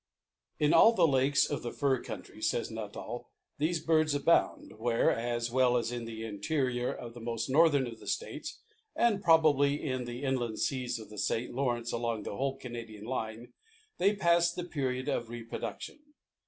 In all the lakes of the fur countries, says Nuttall, these birds abound, where, as well as in the interior of the most northern of the states, and probably in the inland seas of the St. Lawrence, along the whole Canadian line, they pass the period of reproduction.